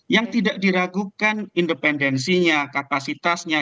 yang tidak diragukan independensinya kapasitasnya